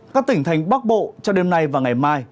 các tỉnh thành bắc bộ trong đêm nay và ngày mai